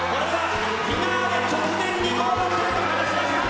フィナーレ直前にゴールすると話していました。